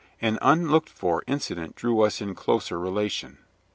An unlooked for incident drew us in closer relation.